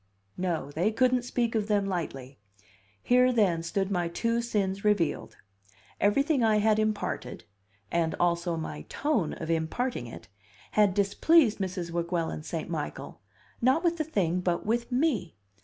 No, they couldn't speak of them lightly! Here, then, stood my two sins revealed; everything I had imparted, and also my tone of imparting it, had displeased Mrs. Weguelin St. Michael, not with the thing, but with me.